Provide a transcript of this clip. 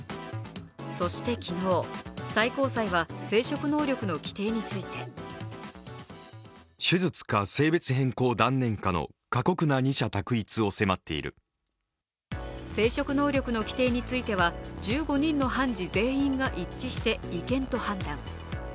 そして昨日、最高裁は生殖能力の規定について生殖能力の規定については１５人の判事全員が一致して違憲と判断。